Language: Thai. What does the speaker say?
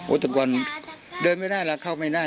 โอ๊ยตะกว่าเดินไม่ได้หรอกเข้าไม่ได้